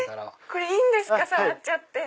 これいいんですか⁉触っちゃって。